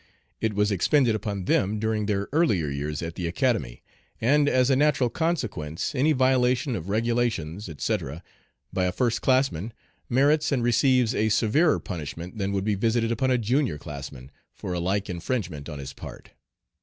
It was expended upon them during their earlier years at the Academy, and, as a natural consequence, any violation of regulations, etc., by a first classman, merits and receives a severer punishment than would be visited upon a junior classman for a like infringement on his part.